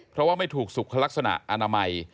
เพราะว่าไม่ถูกสุขลักษณะอนามัย